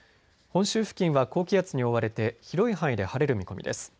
本州付近は高気圧に覆われて広い範囲で晴れる見込みです。